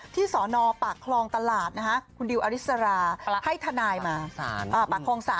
ที่ศหนอปากคลองตลาดคุณดิวอาริสระ